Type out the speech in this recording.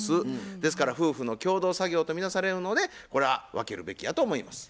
ですから夫婦の共同作業とみなされるのでこれは分けるべきやと思います。